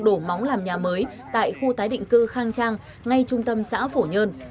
đổ móng làm nhà mới tại khu tái định cư khang trang ngay trung tâm xã phổ nhơn